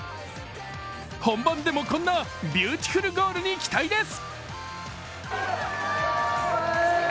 本番でもこんなビューティフルゴールに期待です。